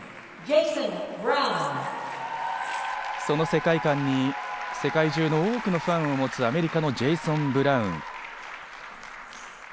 その世界観に世界中に多くのファンを持つ、アメリカのジェイソン・ブラウン。